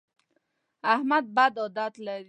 احمد بد عادت لري.